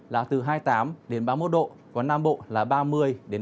là từ hai mươi tám ba mươi một độ còn nam bộ là ba mươi ba mươi ba độ